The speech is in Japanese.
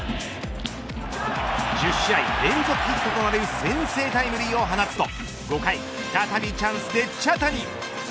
１０試合連続ヒットとなる先制タイムリーを放つと５回、再びチャンスで茶谷。